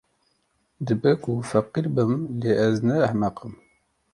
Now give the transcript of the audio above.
Dibe ku feqîr bim, lê ez ne ehmeq im.